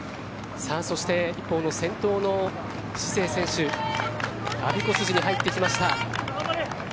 そして一方の先頭のシセイ選手あびこ筋に入ってきました。